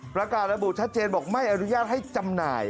ประกาศระบุชัดเจนบอกไม่อนุญาตให้จำหน่าย